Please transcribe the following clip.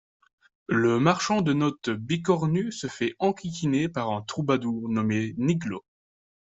Le marchand de notes Bicornu se fait enquiquiner par un troubadour nommé Niglo.